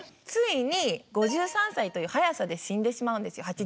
ついに５３歳という早さで死んでしまうんですよ。